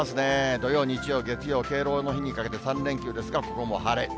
土曜、日曜、月曜、敬老の日にかけて３連休ですが、ここも晴れ。